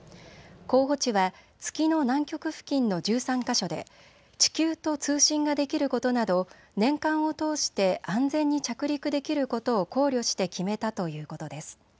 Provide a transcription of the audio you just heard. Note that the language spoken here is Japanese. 候補地は月の南極付近の１３か所で地球と通信ができることなど年間を通して安全に着陸できることを考慮して決めたということです。